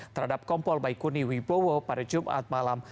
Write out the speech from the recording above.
terhadap kompol baikuni wibowo pada jumat malam